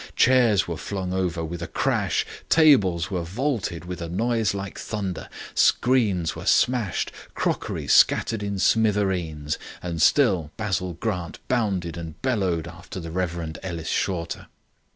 Chairs were flung over with a crash, tables were vaulted with a noise like thunder, screens were smashed, crockery scattered in smithereens, and still Basil Grant bounded and bellowed after the Rev. Ellis Shorter.